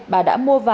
bà đã mua vàng và trộm